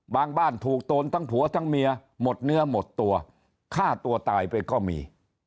บ้านถูกโจรทั้งผัวทั้งเมียหมดเนื้อหมดตัวฆ่าตัวตายไปก็มี